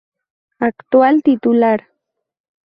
Actual titular.